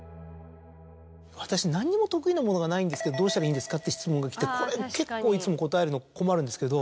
「私何にも得意なものがないんですけどどうしたらいいんですか？」って質問がきてこれ結構いつも答えるの困るんですけど。